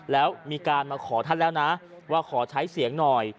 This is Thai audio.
แล้วมีการมาขอท่านแล้วนะว่าขอใช้เสียงหน่อย